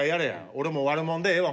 俺悪者でええわ。